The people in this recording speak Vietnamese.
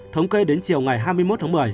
thống kê đến chiều ngày hai mươi một tháng một mươi